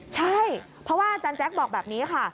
ใช่เพราะว่าอาจารย์แจ๊คบอกแบบนี้ค่ะ